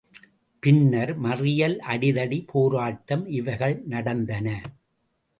பின்னர் மறியல் அடிதடி போராட்டம் இவைகள் நடந்தன.